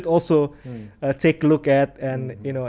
dan seperti yang anda katakan